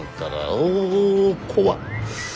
お怖っ。